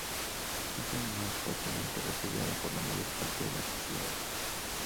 Es, además, fuertemente repudiada por la mayor parte de la sociedad.